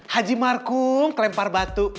haji markung kelempar batu